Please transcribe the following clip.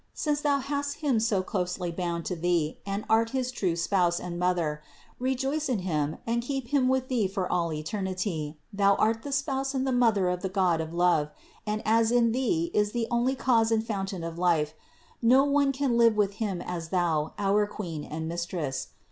Since Thou hast Him so closely bound to Thee and art his true Spouse and Mother, rejoice in Him and keep Him with Thee for all eternity. Thou art the Spouse and the Mother of the God of love, and as in Thee is the only cause and fountain of life, no one shall live with Him as Thou, our Queen and Mistress.